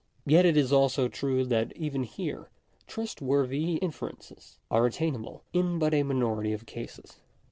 Yet it is also true, that even here, trustworthy inferences are attainable in but a minority of cases.